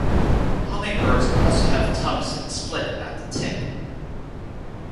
Hummingbirds also have tongues that split at the tip.